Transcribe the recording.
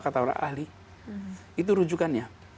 kata orang ahli itu rujukannya